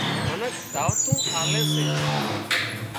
منک دعوتون آلي سي